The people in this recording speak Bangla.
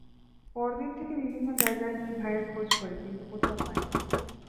পরদিন থেকে বিভিন্ন জায়গায় দুই ভাইয়ের খোঁজ করি, কিন্তু কোথাও পাই না।